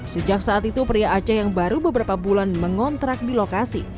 sejak saat itu pria aceh yang baru beberapa bulan mengontrak di lokasi